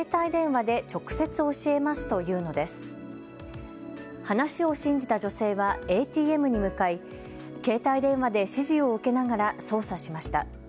話を信じた女性はＡＴＭに向かい携帯電話で指示を受けながら操作しました。